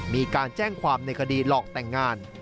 มีการแจ้งความในคดีหลอกแต่งงาน